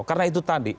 karena itu tadi